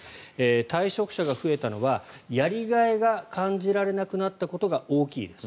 退職者が増えたのは、やりがいが感じられなくなったことが大きいです